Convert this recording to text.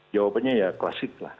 jawabannya ya klasik lah